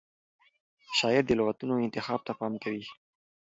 شاعر د لغتونو انتخاب ته پام کوي.